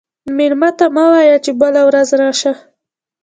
مېلمه ته مه وایه چې بله ورځ راشه.